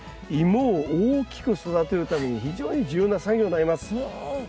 イモを大きく育てるために非常に重要な作業になります。